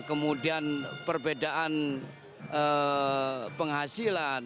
kemudian perbedaan penghasilan